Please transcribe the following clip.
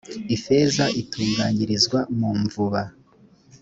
ifeza itunganyirizwa mu mvuba